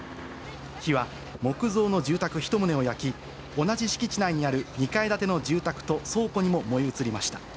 火は木造の住宅１棟を焼き、同じ敷地内にある２階建ての住宅と倉庫にも燃え移りました。